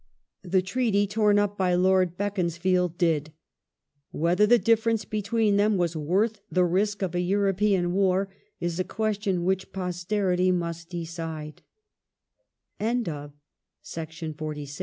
The Treaty torn up by Lord Beaconsfield did. Whether the difference between them / was worth the risk of a European war is a question which posterity I must decide. y^ ^ Argyll, op. cit. p. 3.